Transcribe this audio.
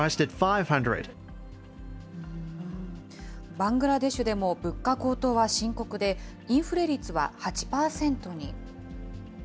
バングラデシュでも物価高騰は深刻で、インフレ率は８％に。